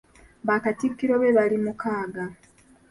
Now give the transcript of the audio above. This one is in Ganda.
Bakatikkiro be baali mukaaga.